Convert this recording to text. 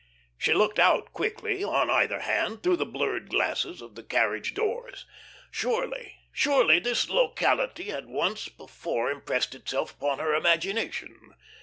She looked out quickly, on either hand, through the blurred glasses of the carriage doors. Surely, surely, this locality had once before impressed itself upon her imagination.